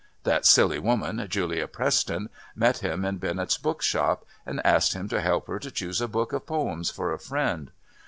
That silly woman, Julia Preston, met him in Bennett's book shop and asked him to help her to choose a book of poems for a friend.